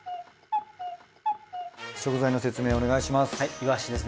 食材の説明お願いします。